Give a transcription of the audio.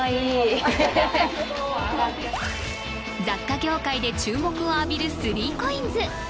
雑貨業界で注目を浴びるスリーコインズ